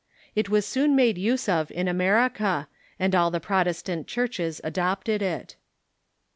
It Avas soon made use of in x\merica, and all the Protestant churches adopted it.